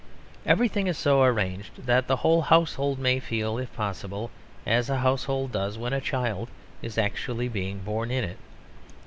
Everything is so arranged that the whole household may feel, if possible, as a household does when a child is actually being born in it.